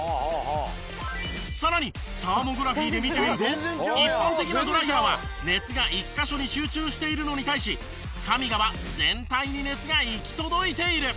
さらにサーモグラフィーで見てみると一般的なドライヤーは熱が１カ所に集中しているのに対しＫＡＭＩＧＡは全体に熱が行き届いている。